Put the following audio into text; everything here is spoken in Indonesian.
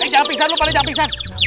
jangan pisah lu pak adeh jangan pisah